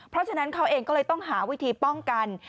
เพราะฉะนั้นเขาเองก็เลยต้องหาวิธีป้องกัน